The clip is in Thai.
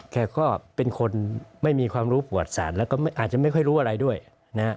แกก็เป็นคนไม่มีความรู้ปวดสารแล้วก็อาจจะไม่ค่อยรู้อะไรด้วยนะฮะ